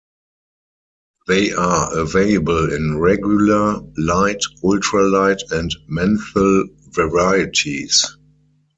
They are available in regular, light, ultra-light and menthol varieties.